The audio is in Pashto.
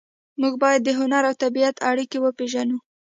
موږ باید د هنر او طبیعت اړیکه وپېژنو